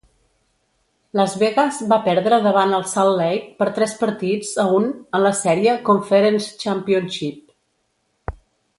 Las Vegas va perdre davant el Salt Lake per tres partits a un en la sèrie Conference Championship.